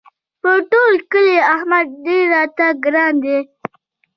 په ټول کلي احمد ډېر راته ګران دی.